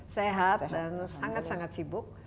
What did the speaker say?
sehat dan sangat sangat sibuk